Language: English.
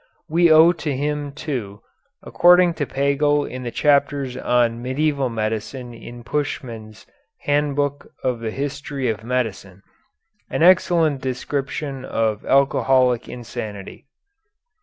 We owe to him, too, according to Pagel in the chapters on medieval medicine in Puschmann's "Handbook of the History of Medicine," an excellent description of alcoholic insanity.